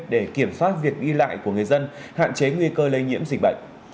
để kiểm soát việc đi lại của người dân hạn chế nguy cơ lây nhiễm dịch bệnh